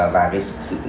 và với sự